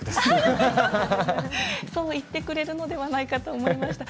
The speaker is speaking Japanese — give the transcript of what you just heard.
そう言っていただけるのではないかと思いました。